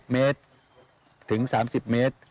เมตรถึง๓๐เมตร